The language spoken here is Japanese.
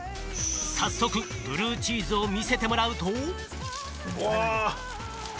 早速ブルーチーズを見せてもらうと。